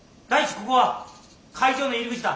ここは会場の入り口だ。